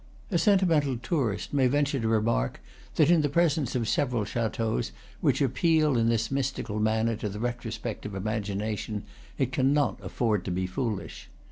A sentimental tourist may venture to remark that in the presence of several chateaux which appeal in this mystical manner to the retrospective imagination, it cannot afford to be foolish.